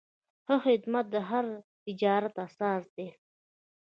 ښه خدمت د هر تجارت اساس دی.